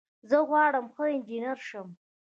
زه غواړم ښه انجنیر شم.